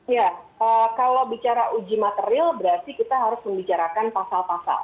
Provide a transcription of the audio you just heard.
ya kalau bicara uji material berarti kita harus membicarakan pasal pasal